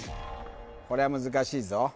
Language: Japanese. これは難しいぞ